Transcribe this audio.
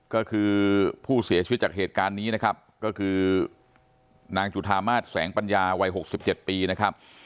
ก็คือผู้เสียชีวิตจากเหตุการณ์นี้นะครับก็คือนางจุธามาศแสงปัญญาวัย๖๗ปีนะครับ